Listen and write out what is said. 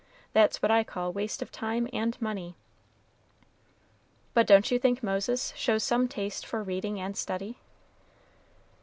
That's what I call waste of time and money." "But don't you think Moses shows some taste for reading and study?"